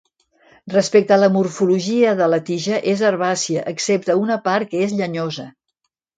Respecte a la morfologia de la tija, és herbàcia, excepte una part que és llenyosa.